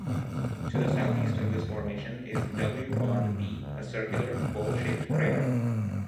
To the southeast of this formation is W. Bond B, a circular, bowl-shaped crater.